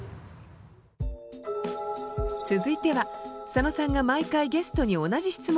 続いては佐野さんが毎回ゲストに同じ質問を聞いていく